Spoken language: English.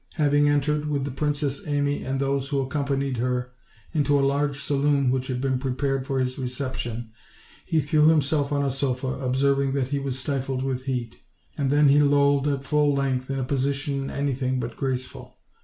Having entered, with the Princesss Amy and those who accompanied her, into a large saloon which had been prepared for his reception, he threw himself on a sofa, observing that he Avas stifled with heat; and then he lolled at full length in a position anything but graceful.